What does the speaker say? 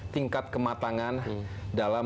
tingkat kematangan dalam